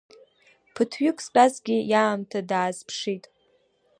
Ԥыҭ-ҩык штәазгьы, иаамҭа даазԥшит.